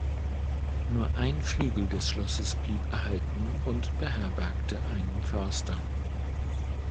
Nur ein Flügel des Schlosses blieb erhalten und beherbergte einen Förster.